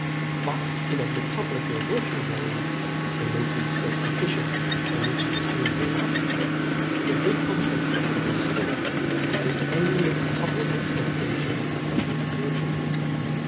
But in a republic where virtue reigns, a motive felf fufRcient, and which excludes all others, the recompcnces of the ftate confift only of public atteftations of this virtue.